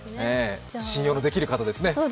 信用のできる方ですね。